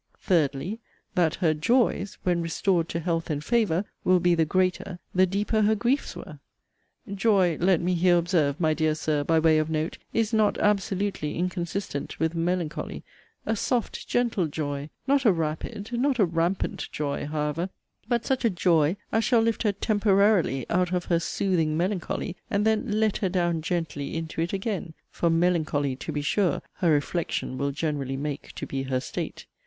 THIRDLY, That her 'joys,'* when restored to health and favour, will be the greater, the deeper her griefs were. * 'Joy,' let me here observe, my dear Sir, by way of note, is not absolutely inconsistent with 'melancholy'; a 'soft gentle joy,' not a 'rapid,' not a 'rampant joy,' however; but such a 'joy,' as shall lift her 'temporarily' out of her 'soothing melancholy,' and then 'let her down gently' into it again; for 'melancholy,' to be sure, her 'reflection' will generally make to be her state.